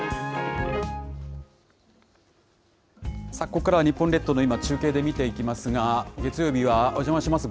ここからは日本列島の今、中継で見ていきますが、月曜日はおじゃまします